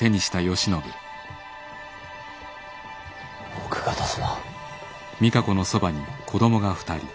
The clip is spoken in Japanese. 奥方様。